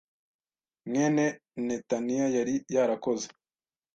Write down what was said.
mwene Netaniya yari yarakoze